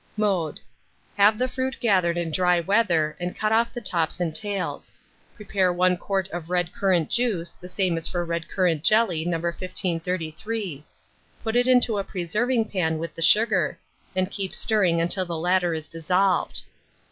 Mode. Have the fruit gathered in dry weather, and cut off the tops and tails. Prepare 1 quart of red currant juice, the same as for red currant jelly No. 1533; put it into a preserving pan with the sugar, and keep stirring until the latter is dissolved.